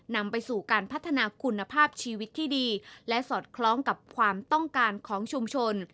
นำไปสู่การพัฒนาคุณภาพชีวิตที่ดีและสอดคล้องกับความต้องการของชุมชน